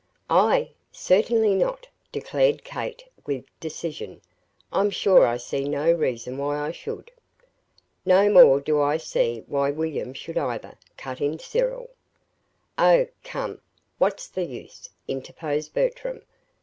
"I? Certainly not," declared Kate, with decision. "I'm sure I see no reason why I should." "No more do I see why William should, either," cut in Cyril. "Oh, come, what's the use," interposed Bertram.